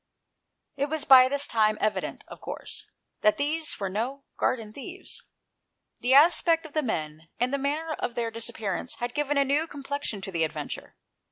It was by this time evident, of course, that these were no garden thieves. The aspect of the men, and the manner of their disappearance, had given a new complexion to the adventure.